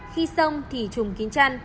khi sông thì trùng kín chăn